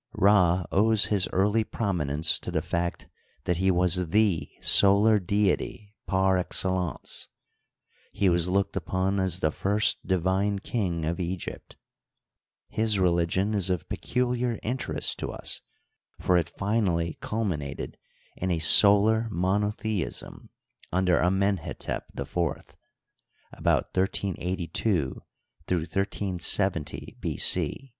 RJ owes his early prominence to the fact that he was the solar deity par excellence ; he was looked upon as the first divine Icing of Egypt. His re ligion is of peculiar interest to us, for it finally culminated in a solar monotheism under Amenhetep IV (about 1382 1370 B. C).